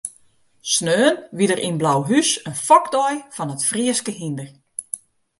Sneon wie der yn Blauhûs in fokdei fan it Fryske hynder.